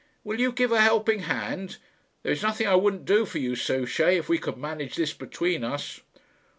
Will you give a helping hand? There is nothing I wouldn't do for you, Souchey, if we could manage this between us."